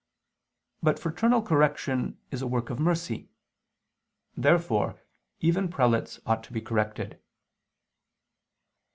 But fraternal correction is a work of mercy. Therefore even prelates ought to be corrected.